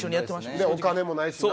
でお金もないしな。